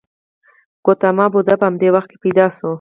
ګوتاما بودا په همدې وخت کې پیدا شو.